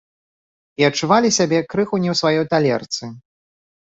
І адчувалі сябе крыху не ў сваёй талерцы.